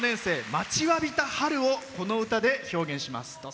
待ちわびた春をこの歌で表現します。